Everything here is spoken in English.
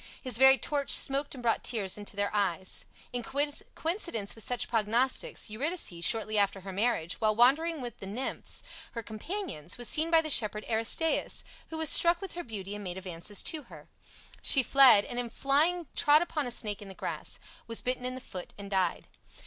His very torch smoked and brought tears into their eyes. In coincidence with such prognostics, Eurydice, shortly after her marriage, while wandering with the nymphs, her companions, was seen by the shepherd Aristaeus, who was struck with her beauty and made advances to her. She fled, and in flying trod upon a snake in the grass, was bitten in the foot, and died.